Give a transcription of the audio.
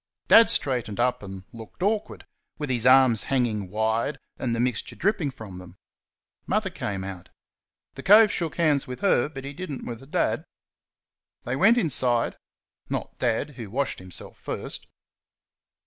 Dad straightened up and looked awkward, with his arms hanging wide and the mixture dripping from them. Mother came out. The cove shook hands with her, but he did n't with Dad. They went inside not Dad, who washed himself first.